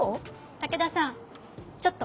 武田さんちょっと。